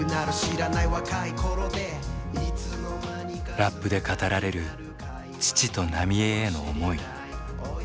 ラップで語られる父と浪江への思い。